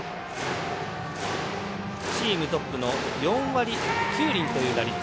チームトップの４割９厘という打率。